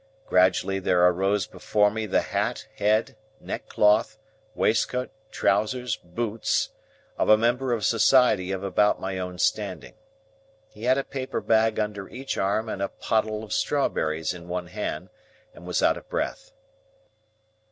Gradually there arose before me the hat, head, neckcloth, waistcoat, trousers, boots, of a member of society of about my own standing. He had a paper bag under each arm and a pottle of strawberries in one hand, and was out of breath.